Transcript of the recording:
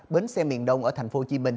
bến xe miền đông ở tp hcm